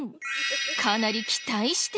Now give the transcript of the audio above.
かなり期待してる様子。